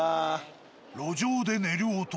路上で寝る男。